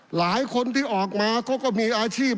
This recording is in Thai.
หลายคนที่ออกมาเขาก็มีอาชีพ